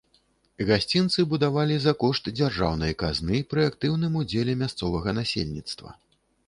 Гасцінцы будавалі за кошт дзяржаўнай казны пры актыўным удзеле мясцовага насельніцтва.